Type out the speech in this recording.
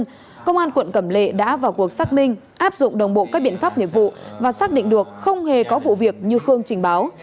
trong đó công an quận cẩm lệ đã vào cuộc xác minh áp dụng đồng bộ các biện pháp nghiệp vụ và xác định được không hề có vụ việc như khương trình báo